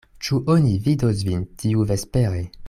Ĉu oni vidos vin tiuvespere?